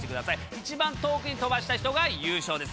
一番遠くに飛ばした人が優勝です。